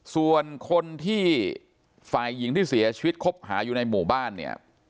ส่วนคนที่ฝ่ายหญิงที่เสียชีวิตคบหาอยู่ในหมู่บ้านเนี่ย